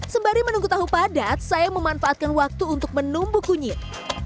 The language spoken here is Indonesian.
sembari menunggu tahu padat saya memanfaatkan waktu untuk menumbuh kunyit